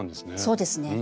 そうですね。